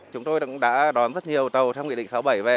chúng tôi cũng đã đón rất nhiều tàu theo nghị định sáu mươi bảy về